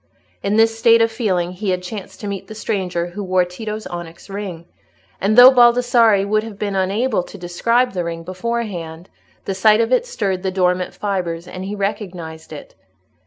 In this state of feeling he had chanced to meet the stranger who wore Tito's onyx ring, and though Baldassarre would have been unable to describe the ring beforehand, the sight of it stirred the dormant fibres, and he recognised it.